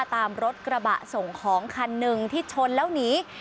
ตามรถกระบะส่งของคันหนึ่งที่ชนแล้วหนี